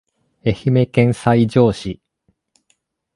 愛媛県西条市